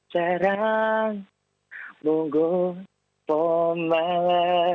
sarang tunggu pombal